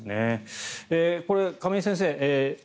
これ、亀井先生